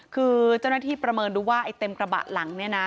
คือเจ้าหน้าที่ประเมินดูว่าเต็มกระบะหลัง